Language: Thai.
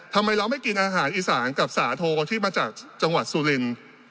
ทำไมเราไม่กินอาหารอีสานกับสาโทที่มาจากจังหวัดสุรินทร์